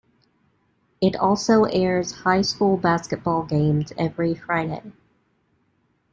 It also airs high school basketball games every Friday.